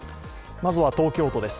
まずは東京都です。